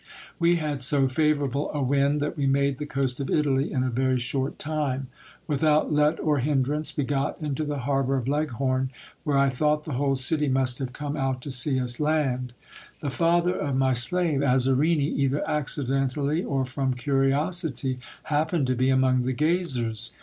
We had so favourable a wind, that we made the coast of Italy in a very short time. Without let or hindrance, we got into the harbour of Leg horn, where I thought the whole city must have come out to see us land. The father of my slave Azarini, either accidentally or from curiosity, happened to be among the gazers.